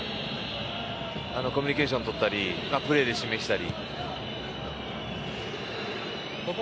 コミュニケーションとったりプレーで示したり。